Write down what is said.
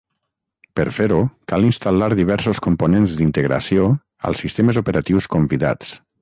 Per fer-ho, cal instal·lar diversos components d'integració als sistemes operatius convidats.